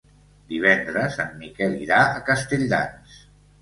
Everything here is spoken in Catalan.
Divendres en Miquel irà a Castelldans.